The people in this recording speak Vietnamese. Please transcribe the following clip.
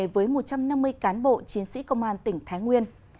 với một trăm năm mươi cán bộ chiến sĩ công an tỉnh thái nguyên